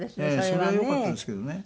それはよかったですけどね。